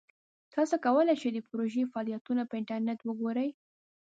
تاسو کولی شئ د پروژې فعالیتونه په انټرنیټ وګورئ.